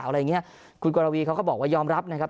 อะไรอย่างเงี้ยคุณกรวีเขาก็บอกว่ายอมรับนะครับ